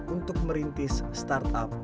untuk merintis startup